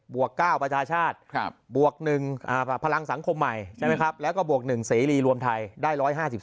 วก๙ประชาชาติบวก๑พลังสังคมใหม่ใช่ไหมครับแล้วก็บวก๑เสรีรวมไทยได้๑๕๓